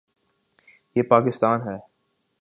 یہ پاکستان ہے۔